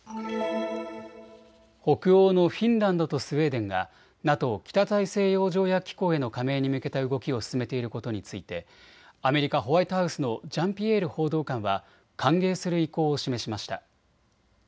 北欧のフィンランドとスウェーデンがＮＡＴＯ・北大西洋条約機構への加盟に向けた動きを進めていることについて、アメリカ・ホワイトハウスのジャンピエール報道官は歓迎する意向を示しました。